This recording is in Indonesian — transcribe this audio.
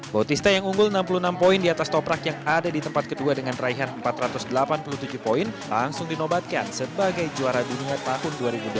bautista yang unggul enam puluh enam poin di atas toprak yang ada di tempat kedua dengan raihan empat ratus delapan puluh tujuh poin langsung dinobatkan sebagai juara dunia tahun dua ribu delapan belas